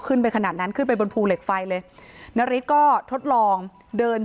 ขนาดนั้นขึ้นไปบนภูเหล็กไฟเลยนาริสก็ทดลองเดิน